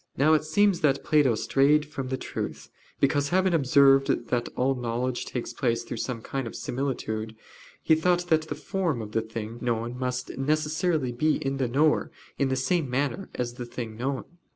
Now it seems that Plato strayed from the truth because, having observed that all knowledge takes place through some kind of similitude, he thought that the form of the thing known must of necessity be in the knower in the same manner as in the thing known.